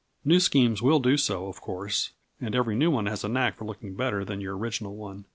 New schemes will do so, of course, and every new one has a knack of looking better than your original one.